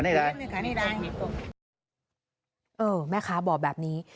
แม่ค้าบอกแบบนี้